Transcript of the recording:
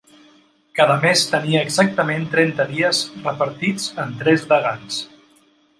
Cada mes tenia exactament trenta dies, repartits en tres degans.